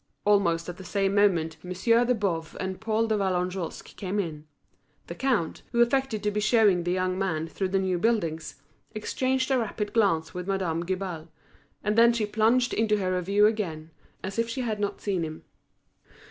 Almost at the same moment Monsieur de Boves and Paul de Vallagnosc came in. The count, who affected to be showing the young man through the new buildings, exchanged a rapid glance with Madame Guibal; and she then plunged into her review again, as if she had not seen him.